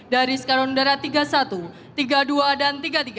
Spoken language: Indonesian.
dari skarundara tiga puluh satu tiga puluh dua dan tiga puluh tiga